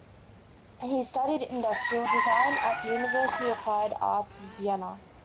He studied industrial design at the University of Applied Arts Vienna.